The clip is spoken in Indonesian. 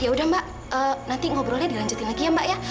yaudah mbak nanti ngobrolnya dilanjutin lagi ya mbak ya